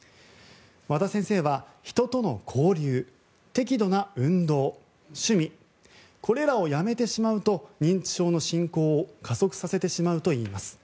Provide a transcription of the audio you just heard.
和田先生は人との交流適度な運動、趣味これらをやめてしまうと認知症の進行を加速させてしまうといいます。